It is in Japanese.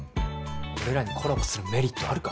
俺らにコラボするメリットあるか？